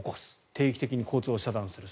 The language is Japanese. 定期的に交通を遮断する。